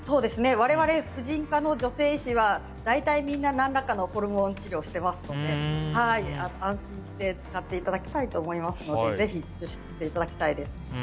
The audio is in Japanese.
我々、婦人科の女性医師は大体みんな、何らかのホルモン治療をしていますので安心して使っていただきたいと思いますのでぜひ受診していただきたいです。